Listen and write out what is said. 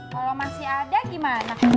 kalau masih ada gimana